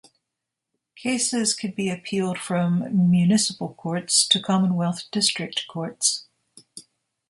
Cases could be appealed from Municipal Courts to commonwealth District Courts.